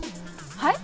はい？